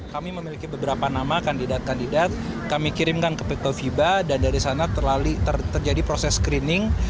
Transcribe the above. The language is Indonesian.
kami memiliki beberapa nama kandidat kandidat kami kirimkan ke pikto fiba dan dari sana terjadi proses screening